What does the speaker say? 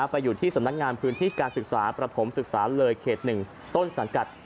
ไปอยู่ที่สำนักงานพื้นที่การศึกษาประถมศึกษาเลยเขต๑ต้นสังกัด